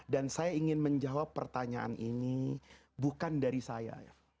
dan saya ingin menjawab pertanyaan ini bukan dari saya